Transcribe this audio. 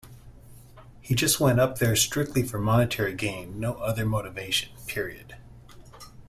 He just went up there strictly for monetary gain, no other motivation, period.